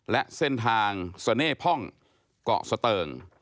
และเส้นทางเสน่พ่องเกาะสเติง